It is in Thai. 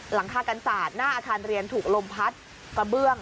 หลังคากันศาสตร์หน้าอาคารเรียนถูกลมพัดกระเบื้อง